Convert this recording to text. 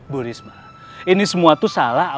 burisma ini semua tuh salah aulia